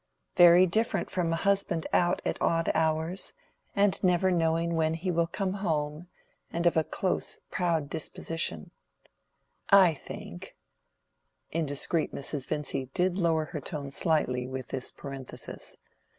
Very different from a husband out at odd hours, and never knowing when he will come home, and of a close, proud disposition, I think"—indiscreet Mrs. Vincy did lower her tone slightly with this parenthesis.